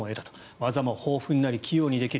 技も豊富になり器用にできる。